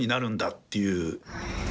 っていう。